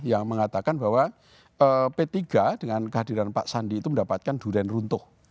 yang mengatakan bahwa p tiga dengan kehadiran pak sandi itu mendapatkan durian runtuh